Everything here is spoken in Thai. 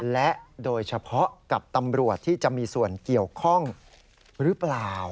และโดยเฉพาะกับตำรวจที่จะมีส่วนเกี่ยวข้องหรือเปล่า